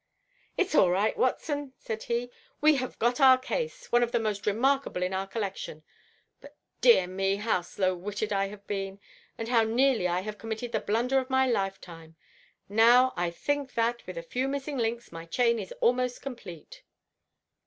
"It's all right, Watson," said he. "We have got our case—one of the most remarkable in our collection. But, dear me, how slow witted I have been, and how nearly I have committed the blunder of my lifetime! Now, I think that with a few missing links my chain is almost complete."